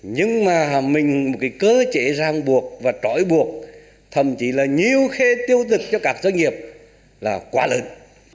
nhưng mà mình có cơ chế ràng buộc và trỗi buộc thậm chí là nhiều khê tiêu dực cho các doanh nghiệp là quá lợi